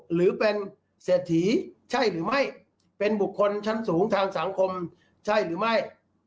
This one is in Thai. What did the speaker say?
หรือเป็นเศรษฐีใช่หรือไม่เป็นบุคคลชั้นสูงทางสังคมใช่หรือไม่